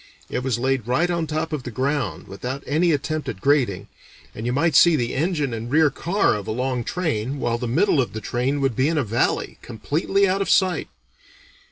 It was laid right on top of the ground, without any attempt at grading, and you might see the engine and rear car of a long train, while the middle of the train would be in a valley, completely out of sight.